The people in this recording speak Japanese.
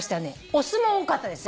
お酢も多かったですよ。